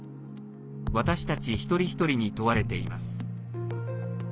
私たち一人一人に問われています。